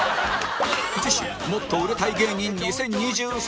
次週もっと売れたい芸人２０２３